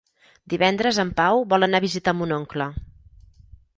Divendres en Pau vol anar a visitar mon oncle.